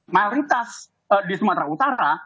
mayoritas di sumatera utara